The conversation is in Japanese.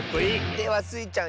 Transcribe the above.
ではスイちゃん